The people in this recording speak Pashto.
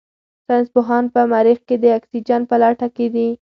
ساینس پوهان په مریخ کې د اکسیجن په لټه کې دي.